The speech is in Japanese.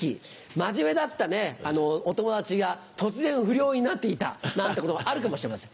真面目だったお友達が突然不良になっていたなんてこともあるかもしれません。